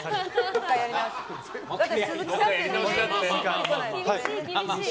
もう１回やり直し。